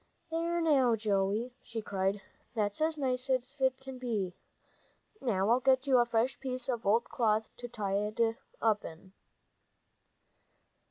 "There now, Joey," she cried, "that's as nice as can be! Now I'll get you a fresh piece of cloth to tie it up in."